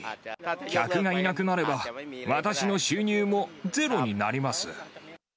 客がいなくなれば、私の収入もゼロになります。